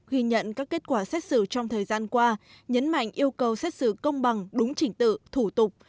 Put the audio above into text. ghi nhận các kết quả xét xử trong thời gian qua nhấn mạnh yêu cầu xét xử công bằng đúng chỉnh tự thủ tục